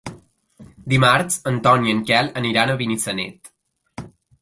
Dimarts en Ton i en Quel aniran a Benissanet.